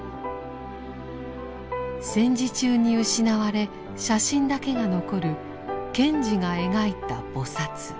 戦時中に失われ写真だけが残る賢治が描いた菩。